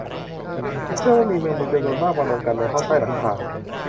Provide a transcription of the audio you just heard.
ฉันเชื่อว่ามีแมงมุมจำนวนมากมารวมกันในห้องใต้หลังคา